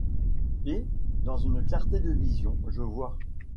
Et, dans une clarté de vision, je vois